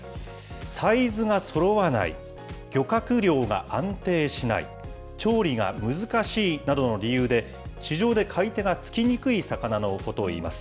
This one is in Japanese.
サイズがそろわない、漁獲量が安定しない、調理が難しいなどの理由で、市場で買い手がつきにくい魚のことをいいます。